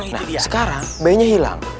nah sekarang bayinya hilang